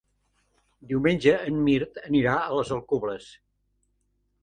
Diumenge en Mirt anirà a les Alcubles.